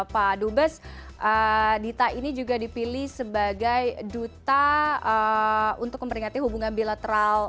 pak dubes dita ini juga dipilih sebagai duta untuk memperingati hubungan bilateral